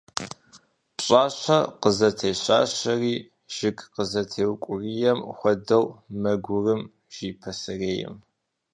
Пщӏащэ къызытещащэри, жыг къызытеукӏуриери зэхуэдэу мэгурым, жи пасэрейм.